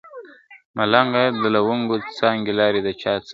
ملنګه ! د لونګو څانګې لارې د چا څاري؟ !.